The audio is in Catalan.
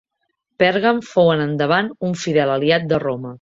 Pèrgam fou en endavant un fidel aliat de Roma.